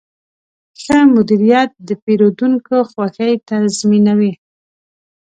ښه مدیریت د پیرودونکو خوښي تضمینوي.